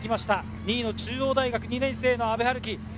２位の中央大学２年生・阿部陽樹。